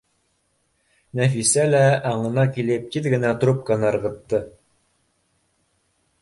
Нәфисә лә, аңына килеп, тиҙ генә трубканы ырғытты